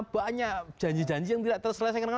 banyak janji janji yang tidak terselesaikan